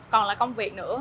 còn là công việc nữa